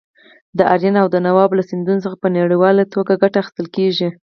د راین او دانوب له سیندونو څخه په نړیواله ټوګه ګټه اخیستل کیږي.